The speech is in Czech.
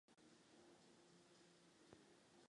Kromě toto zde funguje průmyslová zóna.